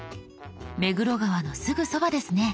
目黒川のすぐそばですね。